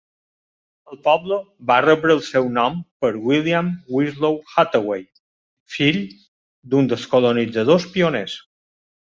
El poble va rebre el seu nom per William Winslow Hathaway, fill d'un dels colonitzadors pioners.